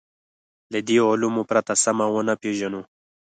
له دې علومو پرته سمه ونه پېژنو.